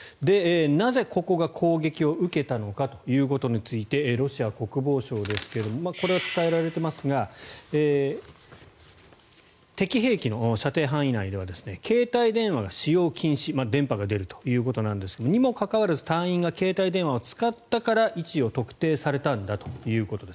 なぜ、ここが攻撃を受けたのかということについてロシア国防省ですがこれは伝えられていますが敵兵器の射程範囲内では携帯電話が使用禁止電波が出るということですがにもかかわらず隊員が携帯電話を使ったから位置を特定されたんだということです。